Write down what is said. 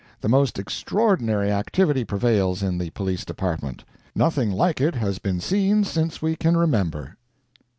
The most extraordinary activity prevails in the police department. Nothing like it has been seen since we can remember."